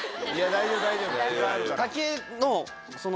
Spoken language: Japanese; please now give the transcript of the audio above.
大丈夫大丈夫。